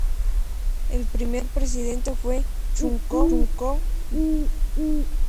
El primer presidente fue Chun-koo Jeong.